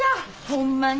ホンマに。